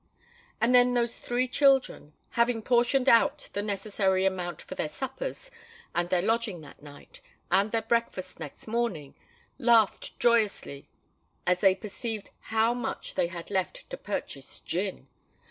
And then those three children, having portioned out the necessary amount for their suppers and their lodging that night, and their breakfast next morning, laughed joyously as they perceived how much they had left to purchase gin!